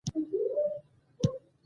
• مینه د ټولو خوښیو سرچینه ده.